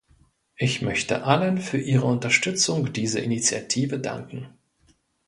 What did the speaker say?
Ich möchte allen für Ihre Unterstützung dieser Initiative danken.